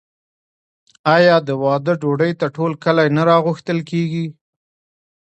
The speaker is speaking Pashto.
آیا د واده ډوډۍ ته ټول کلی نه راغوښتل کیږي؟